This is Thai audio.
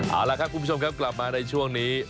เอาล่ะครับคุณผู้ชมครับกลับมาในช่วงนี้